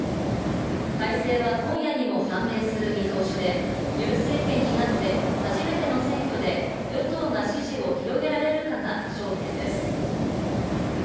大勢は今夜にも判明する見通しで、ユン政権になって初めての選挙で与党が支持を広げられるかが焦点です。